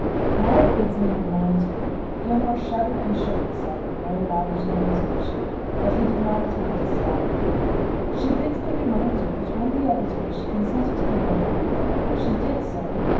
"Mary bids me remind you," Gilmore shuddered and shook himself when Mary Lowther's name was mentioned, but he did not attempt to stop the Vicar, "she bids me remind you that when the other day she consented to be your wife, she did so